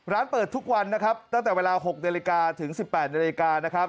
เปิดทุกวันนะครับตั้งแต่เวลา๖นาฬิกาถึง๑๘นาฬิกานะครับ